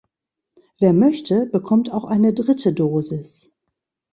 Wer möchte, bekommt auch eine dritte Dosis.